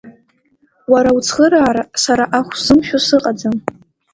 Уара уцхыраара сара ахә сзымшәо сыҟаӡам.